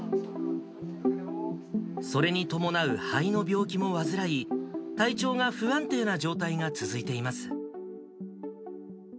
それに伴う肺の病気も患い、体調が不安定な状態が続いています。